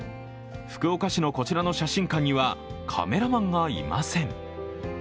福岡市のこちらの写真館にはカメラマンがいません。